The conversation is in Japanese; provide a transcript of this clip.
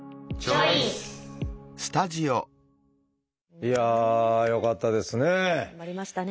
いやあよかったですね。